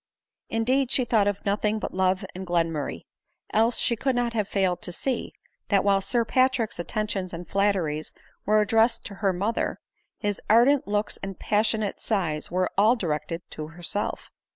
Indeed she thought of nothing but love and Glenmurray ; else, she could not have failed to see, that while Sir Patrick's attentions and flatteries were addressed to her mother, his ardent looks and passionate sighs were all directed to herself.